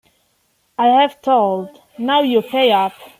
I've told, now you pay up.